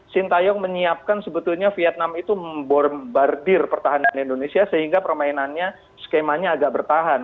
sintayong menyiapkan sebetulnya vietnam itu membombardir pertahanan indonesia sehingga permainannya skemanya agak bertahan